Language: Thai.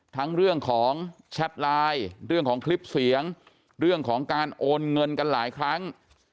ทั้งเรื่องของแชทไลน์เรื่องของคลิปเสียงเรื่องของการโอนเงินกันหลายครั้ง